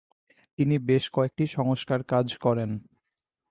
তিনি বেশ কয়েকটি সংস্কার কাজ করেন।